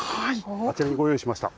あちらにご用意しました。